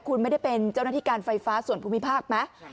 คุณไม่ได้เป็นเจ้าหน้าที่การไฟฟ้าส่วนภูมิภาคไหม